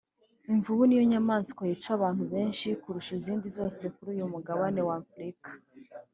imvubu niyo nyamaswa yica abantu benshi kurusha izindi zose kuri uyu mugabane wa Afurika